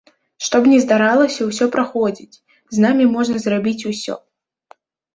Што б ні здаралася, усё праходзіць, з намі можна зрабіць усё.